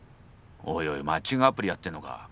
おいおいマッチングアプリやってんのか。